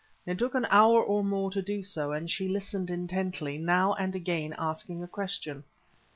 It took an hour or more to do so, and she listened intently, now and again asking a question.